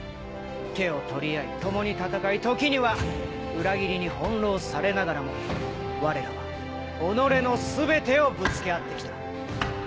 手を取り合い共に戦い時には裏切りに翻弄されながらも我らはおのれの全てをぶつけ合って来た。